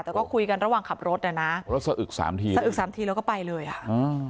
แต่ก็คุยกันระหว่างขับรถอ่ะนะรถสะอึกสามทีสะอึกสามทีแล้วก็ไปเลยอ่ะอืม